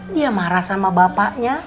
dia marah sama bapaknya